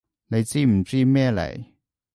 你知唔知咩嚟？